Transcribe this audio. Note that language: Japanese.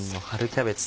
キャベツ